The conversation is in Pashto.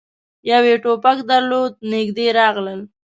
يوه يې ټوپک درلود. نږدې راغلل،